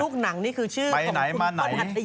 ลูกหนังนี่คือชื่อของคุณต้นฮัตติยาไม่ได้รู้บอกนะ